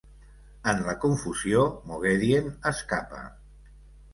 En la confusió, Moghedien escapa.